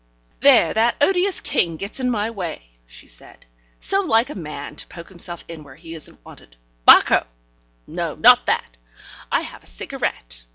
"There, that odious king gets in my way," she said. "So like a man to poke himself in where he isn't wanted. Bacco! No, not that: I have a cigarette.